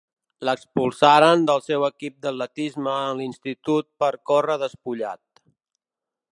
L'expulsaren del seu equip d'atletisme en l'Institut per córrer despullat.